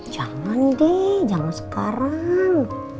jangan deh jangan sekarang